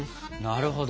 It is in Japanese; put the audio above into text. なるほど。